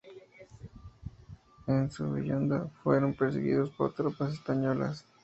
En su huida fueron perseguidos por tropas españolas.